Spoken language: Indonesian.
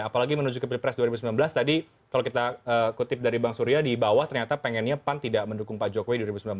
apalagi menuju ke pilpres dua ribu sembilan belas tadi kalau kita kutip dari bang surya di bawah ternyata pengennya pan tidak mendukung pak jokowi dua ribu sembilan belas